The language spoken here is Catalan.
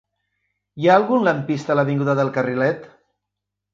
Hi ha algun lampista a l'avinguda del Carrilet?